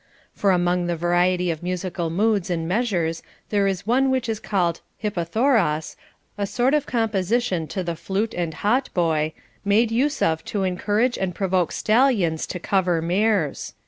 For among the variety of musical moods and measures there is one which is called Hippothoros, a sort of compo sition to t\vi flute and hautboy, made use of to encourage and provoke stallions to cover mares.